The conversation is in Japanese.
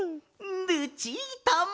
ルチータも！